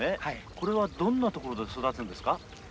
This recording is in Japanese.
これはどんな所で育つんですか？